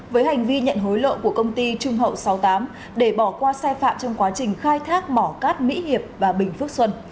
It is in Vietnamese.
với hành vi nhận hối lộ của công ty trung hậu sáu mươi tám để bỏ qua sai phạm trong quá trình khai thác mỏ cát mỹ hiệp và bình phước xuân